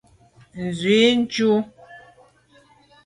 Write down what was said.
Nzwi dù.